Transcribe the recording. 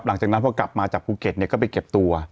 หลังจากนั้นพอกลับมาจากภูเก็ตก็ไปเก็บตัว